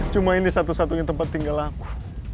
cuma ini satu satunya tempat tinggal aku